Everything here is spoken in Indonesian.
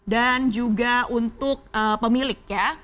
dan juga untuk pemilik ya